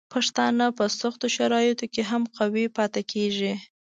پښتانه په سختو شرایطو کې هم قوي پاتې کیږي.